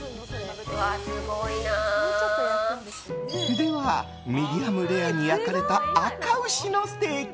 ではミディアムレアに焼かれたあか牛のステーキ。